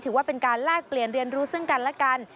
ถือว่าเป็นการแลกเปลี่ยนเรียนรู้ซึ่งกันและกัน